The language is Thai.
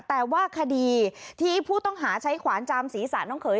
แต่ว่าคดีที่ผู้ต้องหาใช้ขวานจามศีรษะน้องเขย